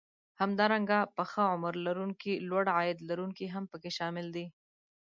همدارنګه پخه عمر لرونکي لوړ عاید لرونکي هم پکې شامل دي